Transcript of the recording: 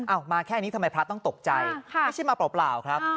มาแค่นี้ทำไมพระต้องตกใจไม่ใช่มาเปล่าครับ